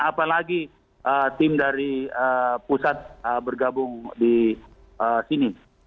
apalagi tim dari pusat bergabung di sini